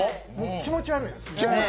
気持ち悪いですよね。